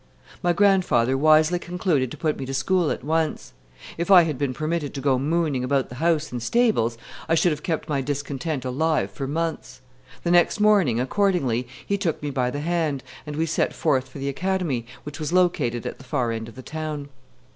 My grandfather wisely concluded to put me to school at once. If I had been permitted to go mooning about the house and stables, I should have kept my discontent alive for months. The next morning, accordingly, he took me by the hand, and we set forth for the academy, which was located at the farther end of the town.